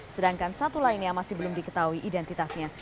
sedangkan satu lainnya masih belum diketahui identitasnya